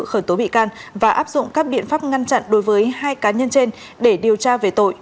khởi tố bị can và áp dụng các biện pháp ngăn chặn đối với hai cá nhân trên để điều tra về tội